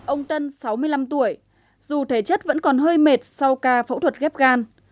ông tân sáu mươi năm tuổi dù thể chất vẫn còn hơi mệt sau ca phẫu thuật ghép gan